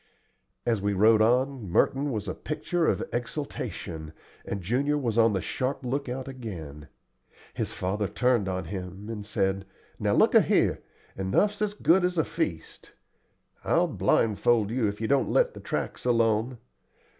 As we rode on, Merton was a picture of exultation, and Junior was on the sharp lookout again. His father turned on him and said: "Now look a' here, enough's as good as a feast. I'll blindfold you if you don't let the tracks alone.